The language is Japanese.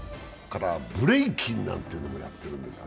ブレイキンなんてのもやってるんです。